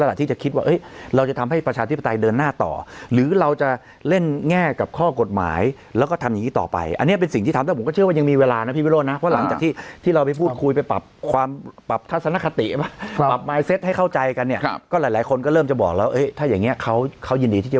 แรกระดาษที่จะคิดว่าเอ๊ะเราจะทำให้ประชาชีปไตท์เดินหน้าต่อ